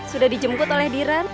sudah dijemput oleh diran